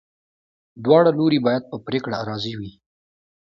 دواړه لوري باید په پریکړه راضي وي.